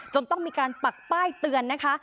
ต้องมีการปักป้ายเตือนนะคะ